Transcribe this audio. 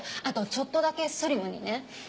あとちょっとだけスリムにね。